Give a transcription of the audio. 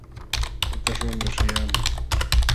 Pukaśh wamla śhayaamun.